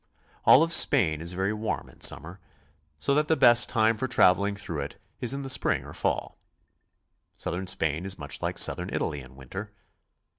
All of Spain is very warm in summer, so that the best time for traveling through it is in the spring or fall. South ern Spain is much like Southern Italy in winter.